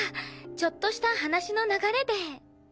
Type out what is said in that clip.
ちょっとした話の流れでね？